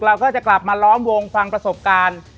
เราก็จะกลับมาล้อมวงฟังประสบการณ์